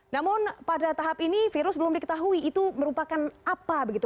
namun pada tahap ini virus belum diketahui itu merupakan apa begitu